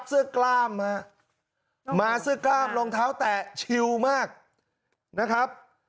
เสื้อกล้ามฮะมาเสื้อกล้ามรองเท้าแตะชิวมากนะครับ